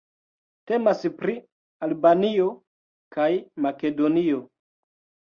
Temas pri Albanio kaj Makedonio.